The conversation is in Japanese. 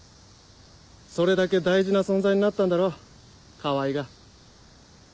それだけ大事な存在になったんだろ川合が。